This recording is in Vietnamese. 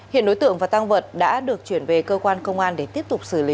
hiện đối tượng và tăng vật đã được chuyển về cơ quan công an để tiếp tục xử lý